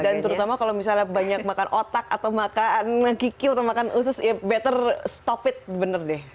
dan terutama kalau misalnya banyak makan otak atau makan kikil atau makan usus ya better stop it bener deh